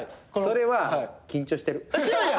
それは緊張してる。